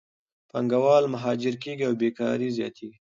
پانګهوال مهاجر کېږي او بیکارۍ زیاتېږي.